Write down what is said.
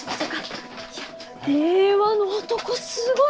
いや令和の男すごい！